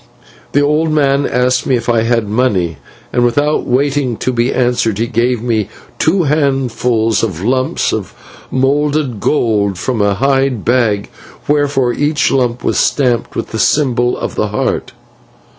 The old man asked me if I had money, and without waiting to be answered he gave me two handfuls of lumps of melted gold from a hide bag, whereof each lump was stamped with the symbol of the Heart."